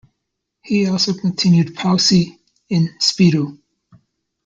He also continued "Poussy" in "Spirou".